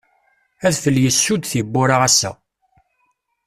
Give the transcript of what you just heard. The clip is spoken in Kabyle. Adfel yessud tiwwura ass-a.